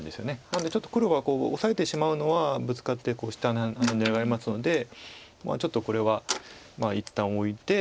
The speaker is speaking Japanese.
なのでちょっと黒はオサえてしまうのはブツカって下ハネられますのでちょっとこれは一旦置いて。